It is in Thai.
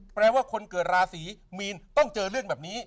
แปลว่าคนเกิดราศีมีนต้องเจอเรื่องแบบนี้